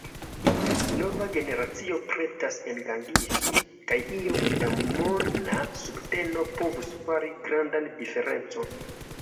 Nova generacio pretas engaĝiĝi, kaj iom da mona subteno povus fari grandan diferencon.